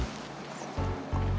dan semua itu